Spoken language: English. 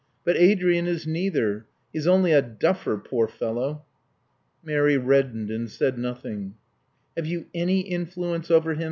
But Adrian is neither: he is only a duffer, poor fellow." Mary reddened, and said nothing. Have you any influence over him?"